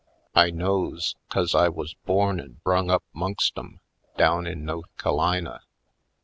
I knows, 'cause I wuz born and brung up 'mongst 'em down in No'th Ca'lina.